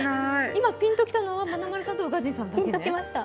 今、ピンときたのはまなまるさんと宇賀神さんだけね。